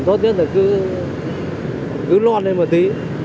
tốt nhất là cứ lon lên một tí